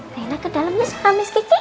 reina ke dalamnya suka miss kiki